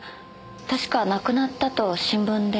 確か亡くなったと新聞で。